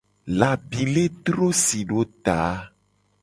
Labile dro si do ta.